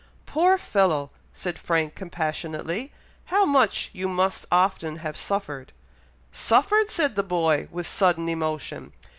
"Poor fellow!" said Frank, compassionately; "how much you must often have suffered!" "Suffered!" said the boy, with sudden emotion.